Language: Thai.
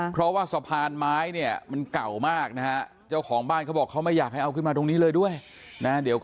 เพราะสะพานไม้เก่ามากเจ้าของบ้านเขาบอกไม่อยากให้รบขึ้นมาดี